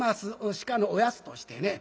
鹿のおやつとしてね。